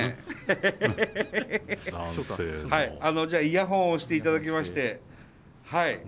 じゃあイヤホンをしていただきましてはい。